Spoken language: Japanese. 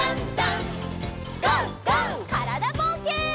からだぼうけん。